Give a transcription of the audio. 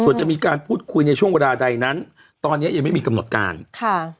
ส่วนจะมีการพูดคุยในช่วงเวลาใดนั้นตอนเนี้ยยังไม่มีกำหนดการค่ะ